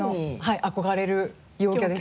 憧れる陽キャです。